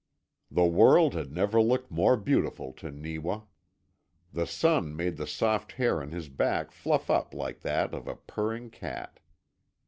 The world had never looked more beautiful to Neewa. The sun made the soft hair on his back fluff up like that of a purring cat.